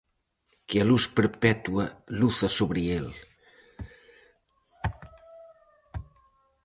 Que a luz perpetua luza sobre el.